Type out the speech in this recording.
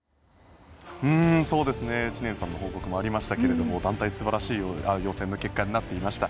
知念さんの報告もありましたが団体、素晴らしい予選の結果になっていました。